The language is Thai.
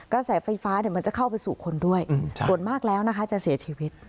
กระแสไฟฟ้ามันเข้าไปกับคนด้วยบ่นมากแล้วนะจะเสียชีวิต